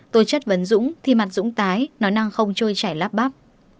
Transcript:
tôi chất vấn dũng thì mặt dũng tái nó năng không trôi chảy lắp bắp